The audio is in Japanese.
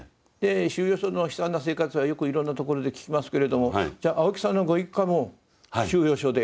収容所の悲惨な生活はよくいろんなところで聞きますけれどもじゃあ青木さんのご一家も収容所で。